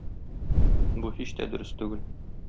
Бу һич тә дөрес түгел.